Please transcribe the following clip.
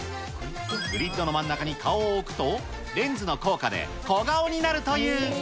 グリッドの真ん中に顔を置くと、レンズの効果で小顔になるという。